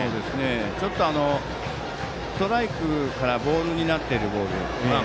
ちょっとストライクからボールになっているボール。